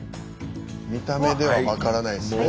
見た目では分からないですね。